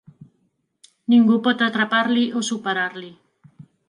Ningú pot atrapar-li o superar-li.